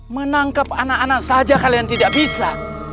menangkap anak anak saja kalian tidak bisa